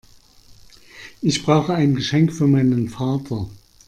Ich brauche ein Geschenk für meinen Vater.